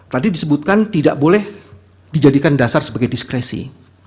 tadi disebutkan tidak boleh dijadikan dasar sebagai diskresi